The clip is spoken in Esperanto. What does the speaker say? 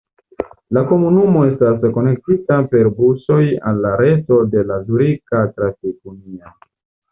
La komunumo estas konektita per busoj al la reto de la Zurika Trafik-Unio.